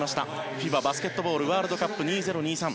ＦＩＢＡバスケットボールワールドカップ２０２３。